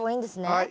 はい。